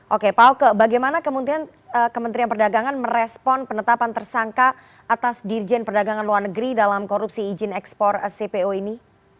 oke pak oke bagaimana kemudian kementerian perdagangan merespon penetapan tersangka atas dirjen perdagangan luar negeri dalam korupsi izin ekspor cpo ini